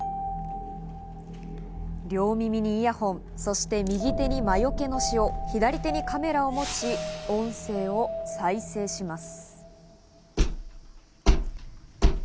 両耳にイヤホン、そして右手に魔除けの塩、左手にカメラを持ち、音声を再生します。